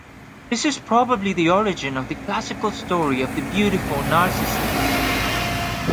This is probably the origin of the classical story of the beautiful Narcissus.